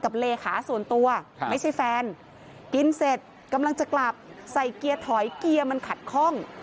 เลขาส่วนตัวไม่ใช่แฟนกินเสร็จกำลังจะกลับใส่เกียร์ถอยเกียร์มันขัดข้อง